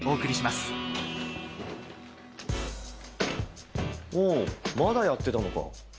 まだやってたのか。